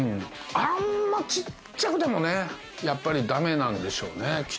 あんまちっちゃくてもねやっぱりダメなんでしょうねきっと。